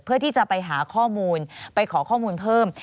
เพื่อที่จะไปหาข้อมูลไปขอข้อมูลเพิ่ม